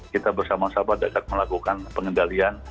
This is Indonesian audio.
kita bersama sahabat akan melakukan pengendalian